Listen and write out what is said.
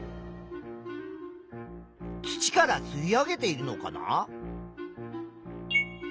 土からすい上げているのかな？